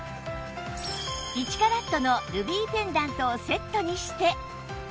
１カラットのルビーペンダントをセットにして